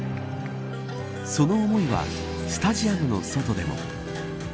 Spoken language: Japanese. その思いはスタジアムの外でも。